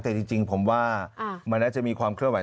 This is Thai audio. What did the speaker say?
แต่จริงผมว่ามันน่าจะมีความเคลื่อไ